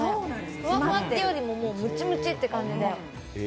ふわふわっていうよりもむちむちっていう感じで。